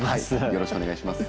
よろしくお願いします。